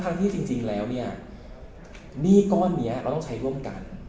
ที่จริงแล้วเนี่ยหนี้ก้อนนี้เราต้องใช้ร่วมกัน